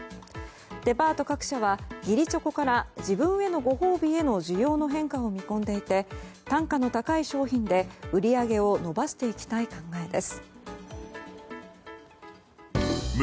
デパート各社は義理チョコから自分へのご褒美へ需要の変化を見込んでいて単価の高い商品で売り上げを伸ばしていきたい考えです。